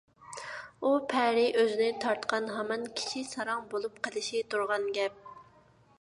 ئۇ پەرى ئۆزىنى تارتقان ھامان كىشى ساراڭ بولۇپ قېلىشى تۇرغان گەپ.